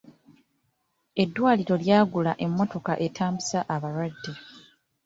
Eddwaliro lyagula emmotoka etambuza abalwadde.